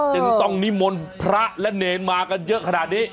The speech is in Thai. จึงต้องนิมนต์พระและเนรมากันเยอะขนาดนี้